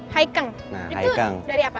haikeng itu dari apa